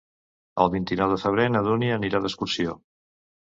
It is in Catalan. El vint-i-nou de febrer na Dúnia anirà d'excursió.